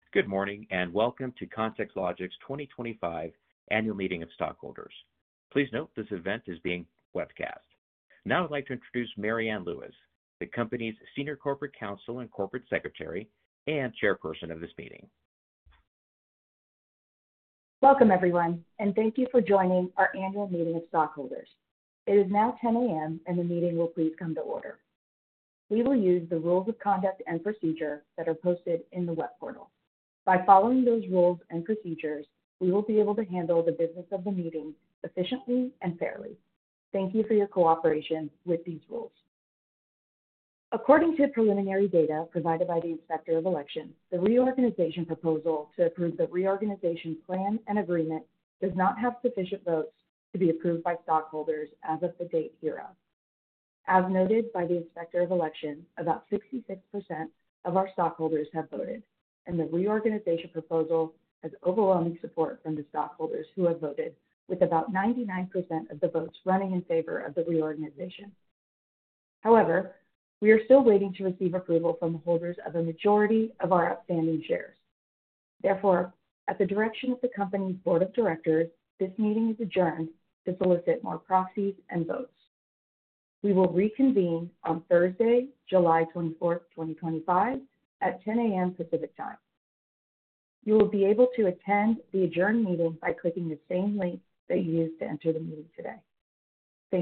Good morning, and welcome to ContextLogic's twenty twenty five Annual Meeting of Stockholders. Please note this event is being webcast. Now I'd like to introduce Mary Anne Lewis, the company's Senior Corporate Counsel and Corporate Secretary and chairperson of this meeting. Welcome, everyone, and thank you for joining our annual meeting of stockholders. It is now 10AM, and the meeting will please come to order. We will use the rules of conduct and procedure that are posted in the web portal. By following those rules and procedures, we will be able to handle the business of the meeting efficiently and fairly. Thank you for your cooperation with these rules. According to preliminary data provided by the inspector of election, the reorganization proposal to approve the reorganization plan and agreement does not have sufficient votes to be approved by stockholders as of the date hereof. As noted by the inspector of election, about 66% of our stockholders have voted, and the reorganization proposal has overwhelming support from the stockholders who have voted with about 99% of the votes running in favor of the reorganization. However, we are still waiting to receive approval from holders of a majority of our outstanding shares. Therefore, at the direction of the company's board of directors, this meeting is adjourned to solicit more proxies and votes. We will reconvene on Thursday, 07/24/2025 at 10AM Pacific time. You will be able to attend the adjourned meeting by clicking the same link that you used to enter the meeting today. Thank